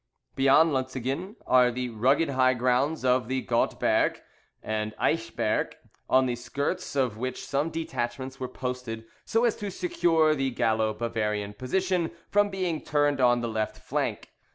Beyond Lutzingen are the rugged high grounds of the Godd Berg, and Eich Berg, on the skirts of which some detachments were posted so as to secure the Gallo Bavarian position from being turned on the left flank.